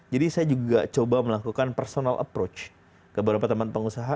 jadi saya juga coba melakukan personal approach ke beberapa teman pengusaha